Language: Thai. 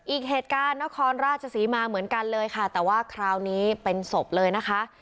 อีกเหตุการณ์นครราชศรีมาเหมือนกันเลยค่ะแต่ว่าคราวนี้เป็นศพเลยนะคะ